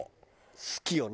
好きよね。